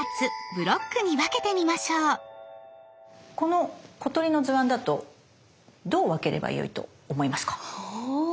この「小鳥」の図案だとどう分ければよいと思いますか？